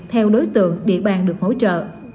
theo đối tượng địa bàn được hỗ trợ